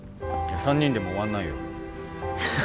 ３人でも終わんないよ。